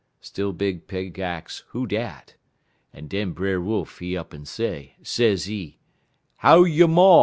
_' "Still Big Pig ax who dat, en den Brer Wolf, he up'n say, sezee: "'How yo' ma?'